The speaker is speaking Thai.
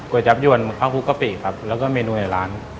จับยวนข้าวคุกกะปิครับแล้วก็เมนูในร้าน